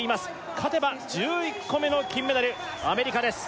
勝てば１１個目の金メダルアメリカです